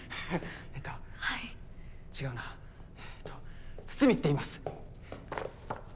えっと違うなえっと筒見って言います